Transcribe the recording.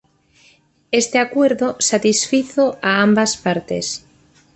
Este acuerdo satisfizo a ambas partes.